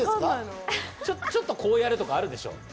ちょっとこうやるとか、あるでしょ。